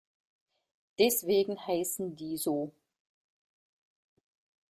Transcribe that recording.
Deswegen heißen die so.